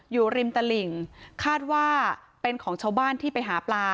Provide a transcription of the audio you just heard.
อยู่ริมตลิ่งคาดว่าเป็นของชาวบ้านที่ไปหาปลา